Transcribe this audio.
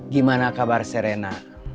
gimana kabar serena